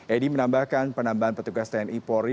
edi menambahkan penambahan petugas tni polri